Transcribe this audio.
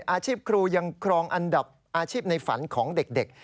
อาชีพครูยังครองอันดับอาชีพในฝันของเด็ก